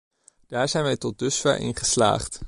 Daar zijn wij tot dusver in geslaagd.